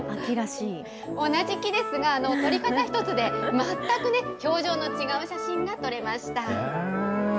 同じ木ですが、撮り方一つで、全くね、表情の違う写真が撮れました。